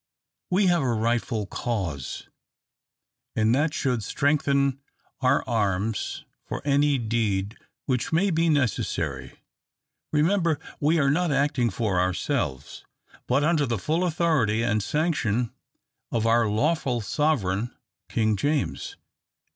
We have a rightful cause, and that should strengthen our arms for any deed which may be necessary. Remember we are not acting for ourselves, but under the full authority and sanction of our lawful sovereign, King James.